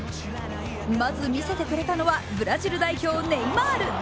まず見せてくれたのは、ブラジル代表・ネイマール。